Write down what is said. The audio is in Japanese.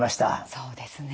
そうですね。